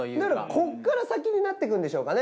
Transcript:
ここから先になっていくんでしょうかね。